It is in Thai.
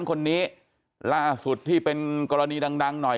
เพราะฉะนั้นคนนี้ล่าสุดที่เป็นกรณีดังหน่อย